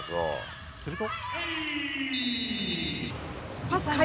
すると。